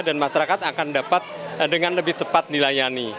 dan masyarakat akan dapat dengan lebih cepat dilayani